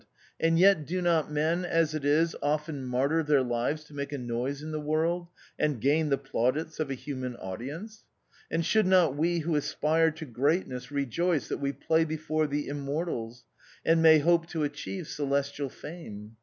and yet do not men as it is often martyr their lives to make a noise in the world, and gain the plaudits of a human audience ? And should not we who aspire to greatness rejoice that we play before the Immortals, and may hope to achieve celestial fame